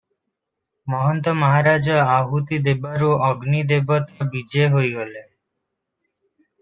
ମହନ୍ତ ମହାରାଜ ଆହୁତି ଦେବାରୁ ଅଗ୍ନି ଦେବତା ବିଜେ ହୋଇଗଲେ ।